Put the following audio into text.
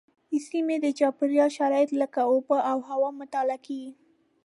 د سیمې د چاپیریال شرایط لکه اوبه او هوا مطالعه کېږي.